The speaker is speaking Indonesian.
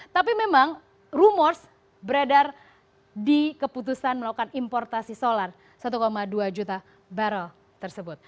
tapi memang rumors beredar di keputusan melakukan importasi solar satu dua juta barrel tersebut